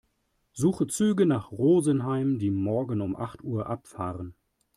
Suche Züge nach Rosenheim, die morgen um acht Uhr abfahren.